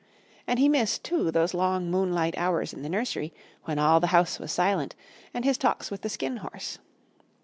And he missed, too, those long moonlight hours in the nursery, when all the house was silent, and his talks with the Skin Horse.